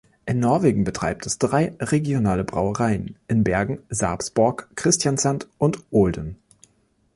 In Norwegen betreibt es drei regionale Brauereien in Bergen, Sarpsborg, Kristiansand und Olden.